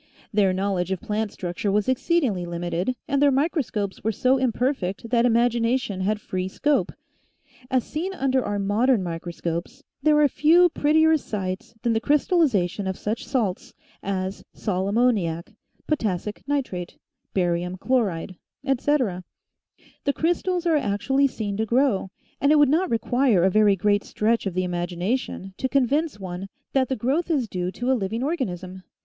Their knowledge of plant structure was exceedingly limited and their micro scopes were so imperfect that imagination had free scope. As seen under our modern microscopes, there are few pret tier sights than the crystallization of such salts as sal ammoniac, potassic nitrate, barium chloride, etc. The crys tals are actually seen to grow and it would not require a very great stretch of the imagination to convince one that the growth Is due to a living organism.